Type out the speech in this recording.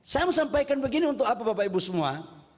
saya mau sampaikan begini untuk apa bapak ibu semua